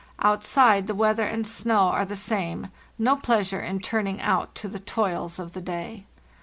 Outside, the weather and snow are the same; no pleasure in turning out to the toils of the day.